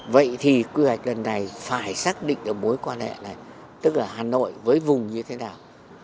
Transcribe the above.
vậy thì quy hoạch lần này phải xác định được mối quan hệ này tức là hà nội với vùng như thế nào